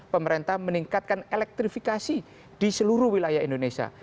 pemerintah meningkatkan elektrifikasi di seluruh wilayah indonesia